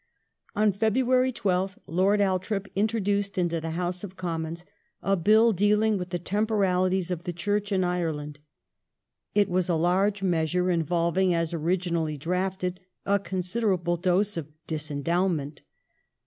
On February 12th I^rd Al thorp introduced into the House of Commons a Bill deaHng with the Temporalities of the Church in Ireland. It was a large measure involving, as originally drafted, a considerable dose of " disendowment